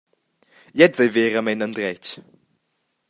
Gliez ei veramein endretg.